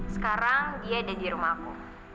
sekarang dia ada di rumahku